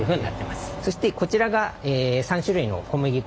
そしてこちらが３種類の小麦粉。